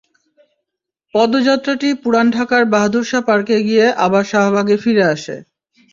পদযাত্রাটি পুরান ঢাকার বাহাদুর শাহ পার্কে গিয়ে আবার শাহবাগে ফিরে আসে।